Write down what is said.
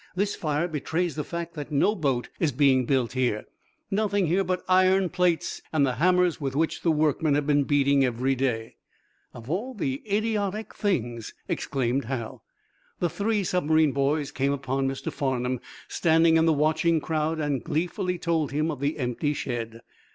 This fire betrays the fact that no boat is being built here. Nothing here but iron plates and the hammers with which the workmen have been beating every day!" "Of all idiotic things!" exclaimed Hal. The three submarine boys came upon Mr. Farnum standing in the watching crowd and gleefully told him of the empty shed.